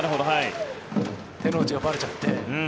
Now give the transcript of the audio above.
手の内がばれちゃって。